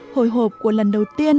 hồi hộp của lần đầu tiên